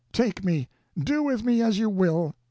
Take me; do with me as you will.